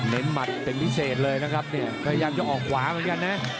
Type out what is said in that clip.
หมัดเป็นพิเศษเลยนะครับเนี่ยพยายามจะออกขวาเหมือนกันนะ